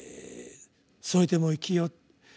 「それでも生きよ」。